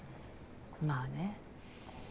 まあね。